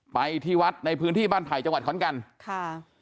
ไปที่วัดในพื้นที่บ้านไผ่จังหวัดขอนแก่นค่ะ